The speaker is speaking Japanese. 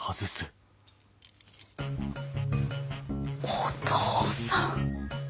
お父さん。